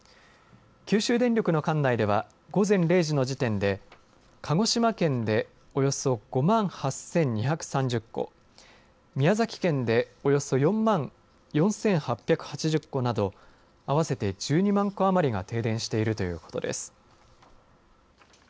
九州電力の管内では午前０時の時点で鹿児島県でおよそ５万８２３０戸宮崎県でおよそ４万４８８０戸など合わせて１２万戸余りが停電しているということです。